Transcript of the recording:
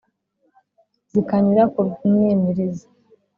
Zikanyura ku mwimirizi;